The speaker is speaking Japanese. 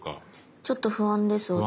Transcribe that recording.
ちょっと不安です私。